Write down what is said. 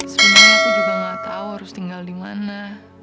sebenernya aku juga gak tau harus tinggal dimana